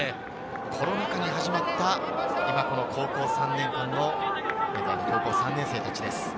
コロナ禍に始まった今、高校３年間の高校３年生たちです。